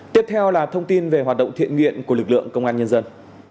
tiếp theo là thông tin về hoạt động thiện nguyện của lực lượng công an nhân dân